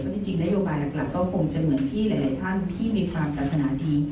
จริงนโยบายหลักก็คงจะเหมือนที่หลายท่านที่มีความปรารถนาดี